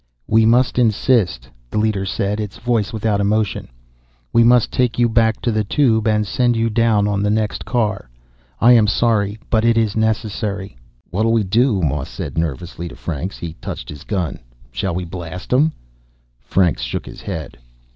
"We must insist," the leader said, its voice without emotion. "We must take you back to the Tube and send you down on the next car. I am sorry, but it is necessary." "What'll we do?" Moss said nervously to Franks. He touched his gun. "Shall we blast them?" Franks shook his head.